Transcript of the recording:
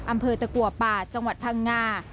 อำเภอตะกัวป่าจังหวัดพังงา